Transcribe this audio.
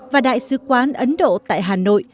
và đại sứ quán ấn độ tại hà nội